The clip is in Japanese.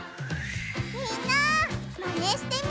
みんなマネしてみてね！